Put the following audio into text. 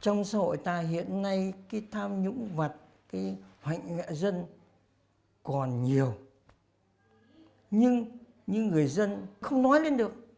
trong xã hội ta hiện nay cái tham nhũng vật cái hạnh nghệ dân còn nhiều nhưng người dân không nói lên được